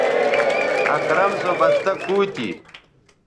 اکرم سو بستہ کُو تھی